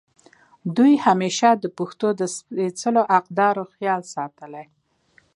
دوي همېشه د پښتو د سپېځلو اقدارو خيال ساتلے